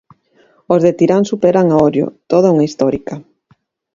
Os de Tirán superan a Orio, toda unha histórica.